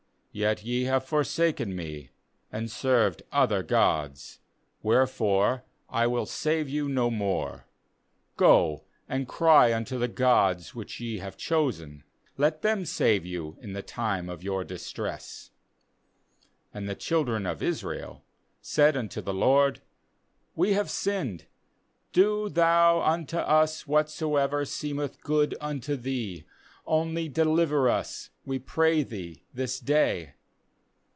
^Yet ye have forsaken Me, and served other gods; wherefore I will save you no more. 14Go and cry unto the gods which ye have chosen; let them save you in the time of your distress.7 15And the children of Israel said unto the LORD: 'We have sinned; do Thou unto us whatsoever seemeth good unto Thee; only deliver us, we pray Thee, this day.'